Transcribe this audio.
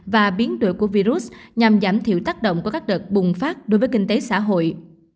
và biến đổi của virus nhằm giảm thiểu tác động của các đợt bùng phát đối với kinh tế xã hội